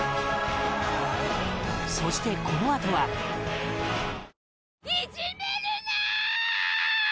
そして、このあとはしんのすけ：いじめるなー！